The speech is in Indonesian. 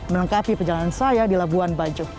menengkapi perjalanan saya di labuan bajuk